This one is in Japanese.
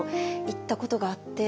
行ったことがあって。